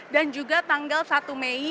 dan juga tanggal satu mei